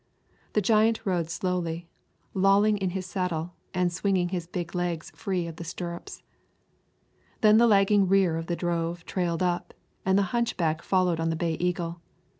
The giant rode slowly, lolling in his saddle and swinging his big legs free of the stirrups. Then the lagging rear of the drove trailed up, and the hunchback followed on the Bay Eagle.